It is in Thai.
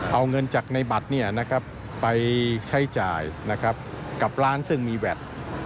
เอาเงินจากในบัตรไปใช้จ่ายนะครับกับร้านซึ่งมีแวด